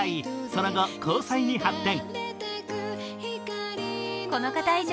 その後、交際に発展。